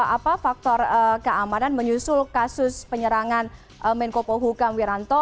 apa faktor keamanan menyusul kasus penyerangan menkopo hukam wiranto